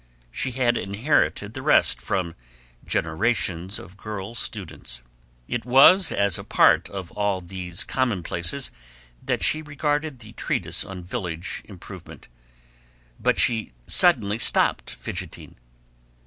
She had inherited the rest from generations of girl students. It was as a part of all this commonplaceness that she regarded the treatise on village improvement. But she suddenly stopped fidgeting.